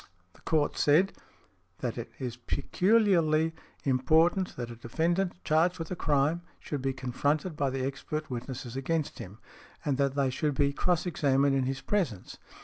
The Court said, that it is peculiarly important that a defendant charged with a crime should be confronted by the expert witnesses against him, and that they should be cross examined in his presence.